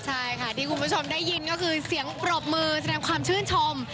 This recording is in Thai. ใช่ค่ะที่คุณผู้ชมได้ยินก็คือเสียงปรบมือแสดงความชื่นชม